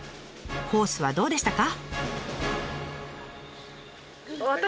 コースはどうでしたか？